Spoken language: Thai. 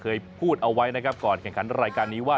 ก็อย่าลืมให้กำลังใจเมย์ในรายการต่อไปนะคะ